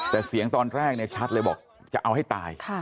แต่เสียงตอนแรกเนี่ยชัดเลยบอกจะเอาให้ตาย